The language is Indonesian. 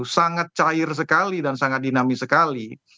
sangat cair sekali dan sangat dinamis sekali